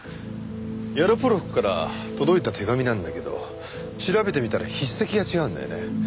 ヤロポロクから届いた手紙なんだけど調べてみたら筆跡が違うんだよね。